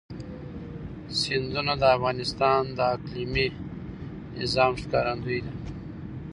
سیندونه د افغانستان د اقلیمي نظام ښکارندوی ده.